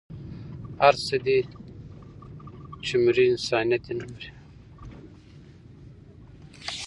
هر څه دې مري انسانيت دې نه مري